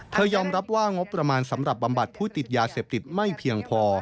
ยอมรับว่างบประมาณสำหรับบำบัดผู้ติดยาเสพติดไม่เพียงพอ